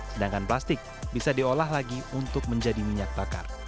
sedangkan plastik bisa diolah lagi untuk menjadi minyak bakar